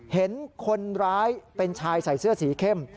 เห็นคนร้ายเป็นชายใส่เสื้อสีเข้ม